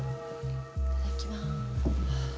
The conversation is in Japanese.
いただきます。